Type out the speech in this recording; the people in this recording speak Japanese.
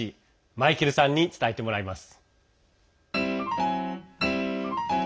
マイケルさんに伝えてもらいます。